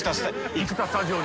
生田スタジオに。